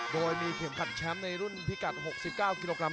โดยมีเข็มขัดแชมป์ในรุ่นพิกัด๖๙กิโลกรั